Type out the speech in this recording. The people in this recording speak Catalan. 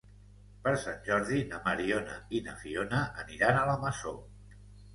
Per Sant Jordi na Mariona i na Fiona aniran a la Masó.